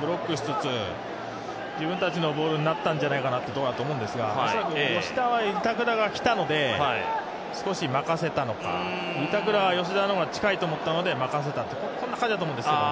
ブロックしつつ、自分たちのボールになったんじゃないかというボールだったんですがおそらく吉田は板倉が来たので少し任せたのか、板倉は吉田の方が近いと思ったので任せた、こんな感じだったと思うんですよ。